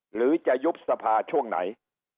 หรือจะยุบสภาช่วงไหน